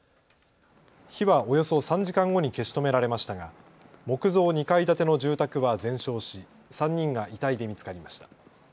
火はおよそ３時間後に消し止められましたが木造２階建ての住宅は全焼し３人が遺体で見つかりました。